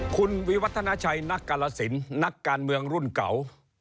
คุณวิวัฒนาชัยนักกาลสินนักการเมืองรุ่นเก่า